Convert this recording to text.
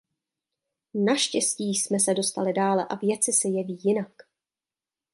Naštěstí jsme se dostali dále a věci se jeví jinak.